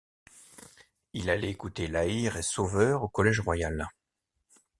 Il allait écouter La Hire et Sauveur au Collège royal.